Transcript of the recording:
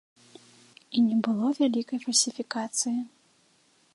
І не было вялікай фальсіфікацыі.